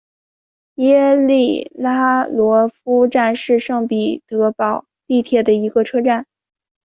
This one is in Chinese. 耶利扎罗夫站是圣彼得堡地铁的一个车站。